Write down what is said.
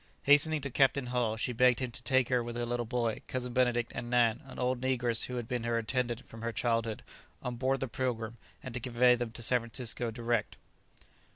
Hastening to Captain Hull, she begged him to take her with her little boy, Cousin Benedict, and Nan, an old negress who had been her attendant from her childhood, on board the "Pilgrim," and to convey them to San Francisco direct.